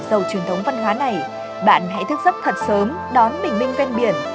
dầu truyền thống văn hóa này bạn hãy thức giấc thật sớm đón bình minh ven biển